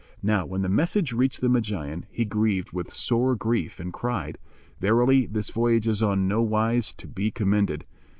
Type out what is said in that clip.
Now when the message reached the Magian, he grieved with sore grief and cried, "Verily this voyage is on no wise to be commended."